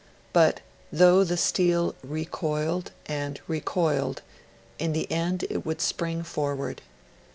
But, though the steel recoiled and recoiled, in the end it would spring forward.